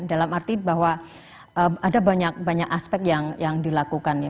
dalam arti bahwa ada banyak aspek yang dilakukan ya